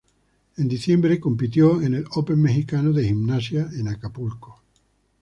En diciembre compitió en el Open Mexicano de Gimnasia en Acapulco.